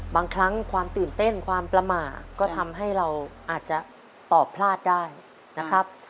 บางครั้งความตื่นเต้นความประมาทก็ทำให้เราอาจจะตอบพลาดได้นะครับ